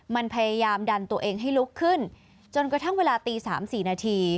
มันพยายามดันตัวเองให้ลุกขึ้นจนกระทั่งเวลาตี๓๔นาที